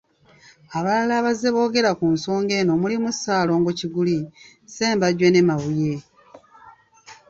Abalala abazze boogera ku nsonga eno mulimu Ssalongo Kiguli, Ssembajjwe ne Mabuye.